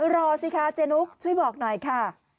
รอสิคะเจนุ๊กช่วยบอกหน่อยค่ะ